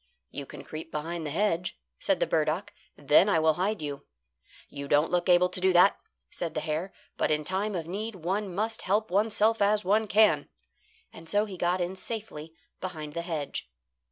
"You can creep behind the hedge," said the burdock, "then I will hide you." "You don't look able to do that," said the hare, "but in time of need one must help oneself as one can." And so he got in safely behind the hedge.